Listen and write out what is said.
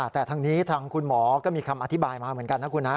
แต่ทางนี้ทางคุณหมอก็มีคำอธิบายมาเหมือนกันนะคุณนะ